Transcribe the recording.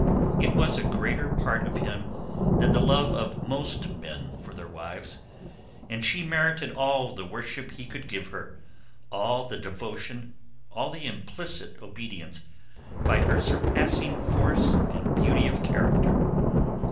It was a greater part of him than the love of most men for their wives, and she merited all the worship he could give her, all the devotion, all the implicit obedience, by her surpassing force and beauty of character.